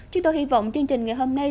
chúng tôi hy vọng chương trình ngày hôm nay